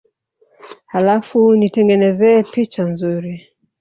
Halafu unitengenezee picha nzuri